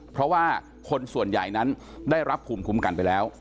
เพราะว่าคนส่วนใหญ่นั้นได้รับภูมิคุ้มกันไปแล้ว